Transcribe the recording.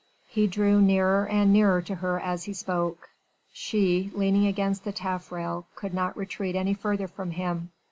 He drew nearer and nearer to her as he spoke; she, leaning against the taffrail, could not retreat any further from him.